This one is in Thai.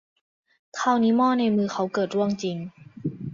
คราวนี้หม้อในมือเขาเกิดร่วงจริง